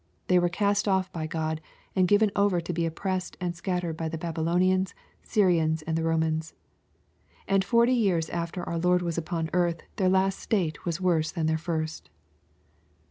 They were cast off by God, and given over to be oppressed and scattered by the Babylonians, Syrians, and the Romans. And forty years after our Lord was upon earth, their last state was worse than their first.